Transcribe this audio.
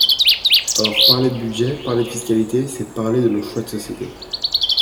Or parler de budget, parler de fiscalité, c’est parler de nos choix de sociétés.